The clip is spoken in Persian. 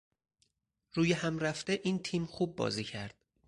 رویهم رفته این تیم خوب بازی کرد